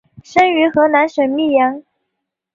生于河南省泌阳。